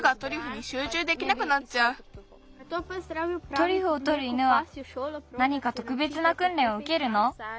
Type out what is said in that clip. トリュフをとる犬はなにかとくべつなくんれんをうけるの？